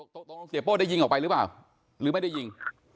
ตกลงเสียโป้ได้ยิงออกไปหรือเปล่าหรือไม่ได้ยิง